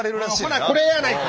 ほなこれやないか。